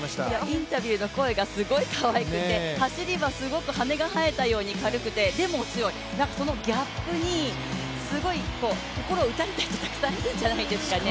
インタビューの声がすごいかわいくて、走りはすごく羽が生えたように速くて、でも強いそのギャップにすごい心を打たれた人たくさんいるんじゃないですかね。